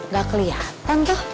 gak keliatan tuh